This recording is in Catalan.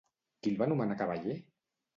Qui el va nomenar cavaller?